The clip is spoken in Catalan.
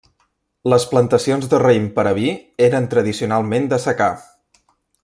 Les plantacions de raïm per a vi eren tradicionalment de secà.